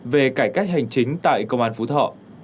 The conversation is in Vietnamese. về cải cách hành chính tại công an phú thọ